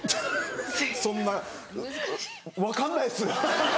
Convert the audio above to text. そんな分かんないです！